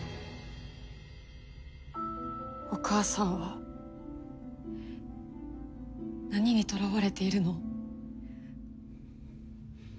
お母さんは何にとらわれているの？